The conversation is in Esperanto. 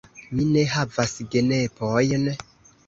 Mi ne havas genepojn.